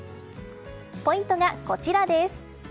ポイントがこちらです。